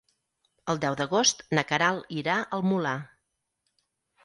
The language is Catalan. El deu d'agost na Queralt irà al Molar.